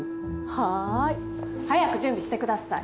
はい。早く準備してください。